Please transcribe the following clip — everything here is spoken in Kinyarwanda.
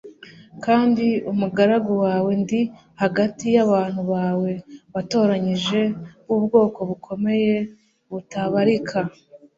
kandi umugaragu wawe ndi hagati y' abantu bawe watoranyije b'ubwoko bukomeye butabarika